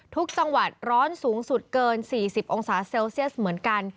จังหวัดร้อนสูงสุดเกิน๔๐องศาเซลเซียสเหมือนกัน